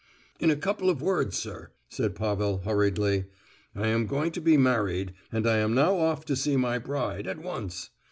"In a couple of words, sir," said Pavel, hurriedly, "I am going to be married, and I am now off to see my bride—at once.